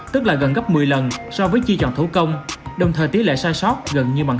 tức là gần gấp một mươi lần so với chi chọn thủ công đồng thời tỷ lệ sai sót gần như mặn